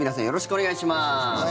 お願いします。